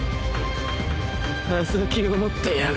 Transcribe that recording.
刃先を持ってやがる